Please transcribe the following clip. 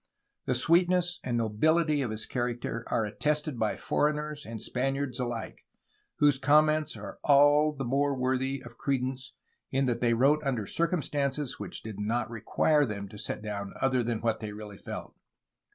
The sweetness and nobihty of his character are attested by foreigners and Spaniards alike, whose comments are all the more worthy of credence in that they wrote under circum stances which did not require them to set down other than what they really felt.